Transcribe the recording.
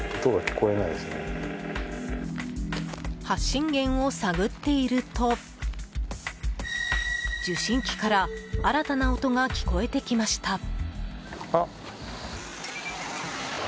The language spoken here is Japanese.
発信源を探っていると受信機から新たな音が聞こえてきました。